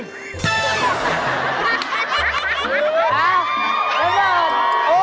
ครับน้ำบาด